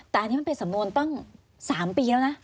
แต่อันนี้มันเป็นสำนวนตั้ง๓ปีแล้วนะ